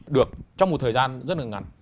được trong một thời gian rất là ngắn